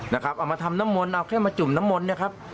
เอามาทำน้ำมนต์เอาแค่มาจุ่มน้ำมนต์